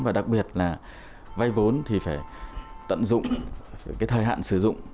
và đặc biệt là vay vốn thì phải tận dụng cái thời hạn sử dụng